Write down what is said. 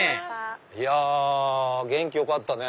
いや元気よかったね。